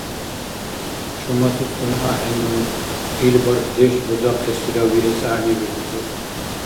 ЧӀумасицун ахӀенну, ил бархьдеш бузахъесира виэс гӀягӀнибиркур.